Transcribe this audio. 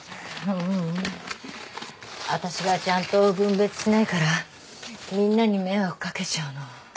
ううん。わたしがちゃんと分別しないからみんなに迷惑掛けちゃうの。